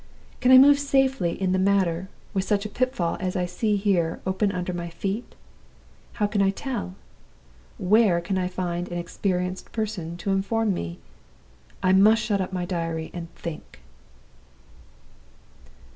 "Can I move safely in the matter, with such a pitfall as I see here open under my feet? How can I tell? Where can I find an experienced person to inform me? I must shut up my diary and think."